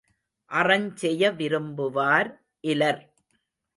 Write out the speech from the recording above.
அறஞ் செய விரும்புவார் இலர்.